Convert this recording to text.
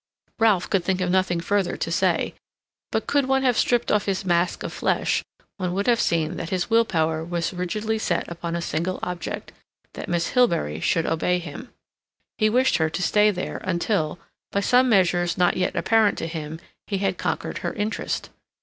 Ralph could think of nothing further to say; but could one have stripped off his mask of flesh, one would have seen that his will power was rigidly set upon a single object—that Miss Hilbery should obey him. He wished her to stay there until, by some measures not yet apparent to him, he had conquered her interest.